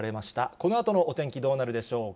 このあとのお天気どうなるでしょうか。